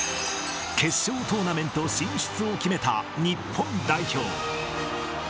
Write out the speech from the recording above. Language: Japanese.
決勝トーナメント進出を決めた日本代表。